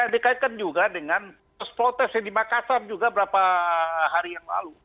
dikaitkan juga dengan protes protes yang di makassar juga beberapa hari yang lalu